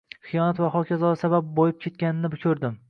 Xiyonat va hokazolar sabab boyib ketganini koʻrdim.